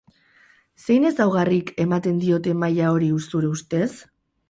Zein ezaugarrik ematen diote maila hori, zure ustez?